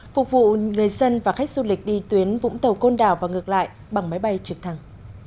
phục vụ người dân và khách du lịch đi tuyến vũng tàu côn đảo và ngược lại bằng máy bay trực thăng